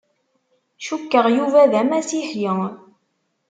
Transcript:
Cukkeɣ Yuba d Amasiḥi.